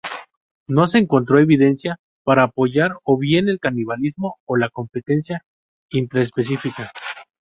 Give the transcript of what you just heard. No se encontró evidencia para apoyar o bien el canibalismo o la competencia intraespecífica.